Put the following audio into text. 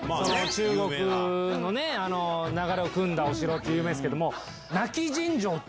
中国の流れをくんだお城って有名ですけど。